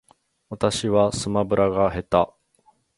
私はスマブラが下手